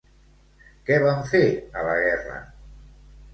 Què van fer a la guerra?